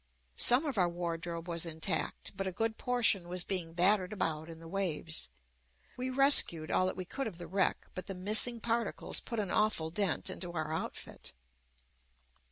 Some of our wardrobe was intact, but a good portion was being battered about in the waves. We rescued all that we could of the wreck, but the missing articles put an awful dent into our out fit.